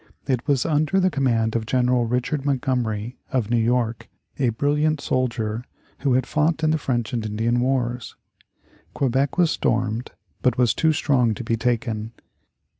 It was under the command of General Richard Montgomery, of New York, a brilliant soldier who had fought in the French and Indian wars. Quebec was stormed, but was too strong to be taken.